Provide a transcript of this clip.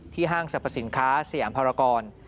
ที่ห้างสรรพสินค้าเสียอำภารกรณ์